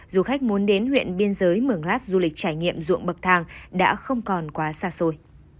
du khách muốn đến huyện biên giới mường lát du lịch trải nghiệm ruộng bậc thang đã không còn quá xa xôi